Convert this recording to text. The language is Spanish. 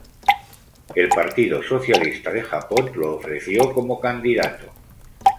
El Partido Socialista de Japón lo ofreció como candidato.